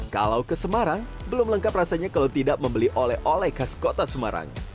kalau ke semarang belum lengkap rasanya kalau tidak membeli oleh oleh khas kota semarang